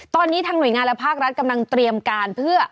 ตอนนี้ทางหน่วยงานและภาครัฐกำลังเตรียมการเพื่อ